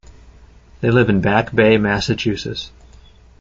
They live in Back Bay, Massachusetts.